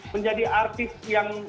menjadi artis yang